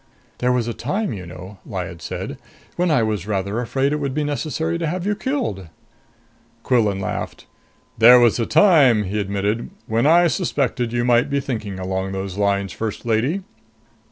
"There was a time, you know," Lyad said, "when I was rather afraid it would be necessary to have you killed." Quillan laughed. "There was a time," he admitted, "when I suspected you might be thinking along those lines, First Lady!